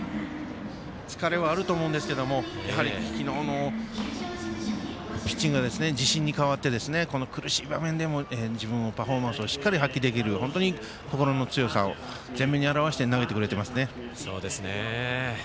疲れはあると思うんですけども昨日のピッチングが自信に変わってこの苦しい場面でも自分のパフォーマンスをしっかり発揮できる本当に心の強さを前面に表して投げてくれていますね。